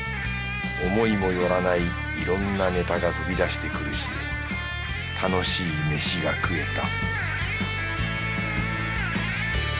思いもよらないいろんなネタが飛び出してくるし楽しい飯が食えた